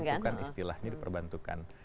memang diperbantukan istilahnya diperbantukan